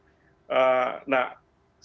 karena sebagian memang mendukung